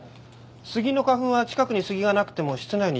杉の花粉は近くに杉がなくても室内に侵入しますよね。